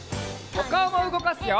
おかおもうごかすよ！